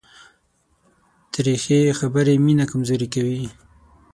تریخې خبرې مینه کمزورې کوي.